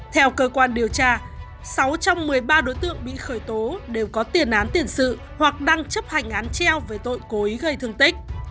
theo cơ quan điều tra sáu trong một mươi ba đối tượng bị khởi tố đều có tiền án tiền sự hoặc đang chấp hành án treo về tội cố ý gây thương tích